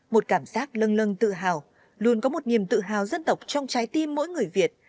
một cảm giác lưng lưng tự hào luôn có một niềm tự hào dân tộc trong trái tim mỗi người việt